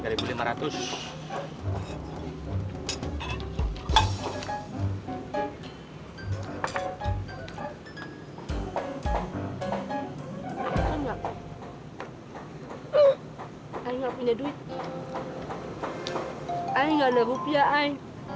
hai enggak enggak punya duit ini enggak ada rupiah i